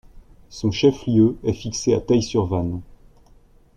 Son chef-lieu est fixé à Theil-sur-Vanne.